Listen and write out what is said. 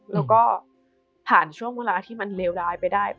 แล้วก็ผ่านช่วงเวลาที่มันเลวร้ายไปได้